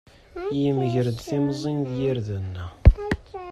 Yemger-d timẓin d yirden.